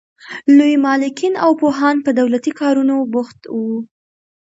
لوی مالکین او پوهان په دولتي کارونو بوخت وو.